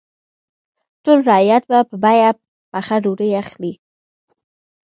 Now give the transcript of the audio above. ټول رعیت به په بیه پخه ډوډۍ اخلي.